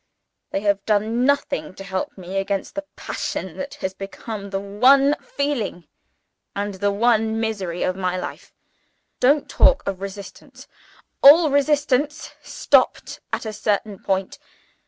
They have done nothing to help me against the passion that has become the one feeling and the one misery of my life. Don't talk of resistance. All resistance stops at a certain point.